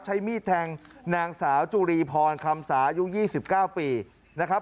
ใช้มีดแทงนางสาวจุรีพรคำสาอายุ๒๙ปีนะครับ